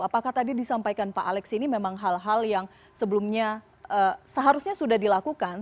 apakah tadi disampaikan pak alex ini memang hal hal yang sebelumnya seharusnya sudah dilakukan